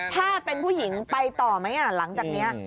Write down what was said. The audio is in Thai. ถ้าเป็นผู้หญิงไปต่อไหมหลังจากนี้